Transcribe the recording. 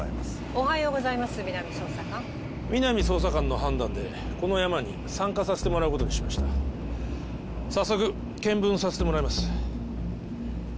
おはようございます皆実捜査官皆実捜査官の判断でこのヤマに参加させてもらうことにしました早速検分させてもらいます